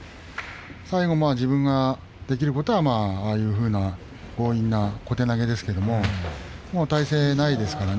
最後、自分ができることは強引な小手投げですけれどももう体勢はないですからね